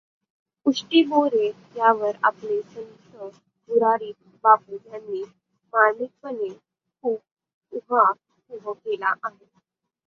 उष्टी बोरे यावर आपले संत मुरारी बापू यांनी मार्मिकपणे खूप ऊहापोह केला आहे.